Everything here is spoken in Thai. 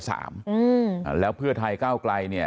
ทางคุณชัยธวัดก็บอกว่าการยื่นเรื่องแก้ไขมาตรวจสองเจน